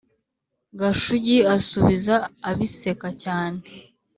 Gashugi asubiza abiseka cyane